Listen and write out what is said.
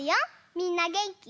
みんなげんき？